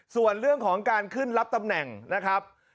ส่วนเรื่องของการขึ้นรับตำแหน่งนะครับ